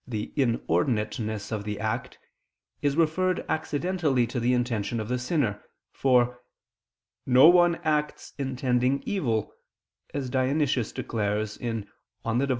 the inordinateness of the act, is referred accidentally to the intention of the sinner, for "no one acts intending evil," as Dionysius declares (Div.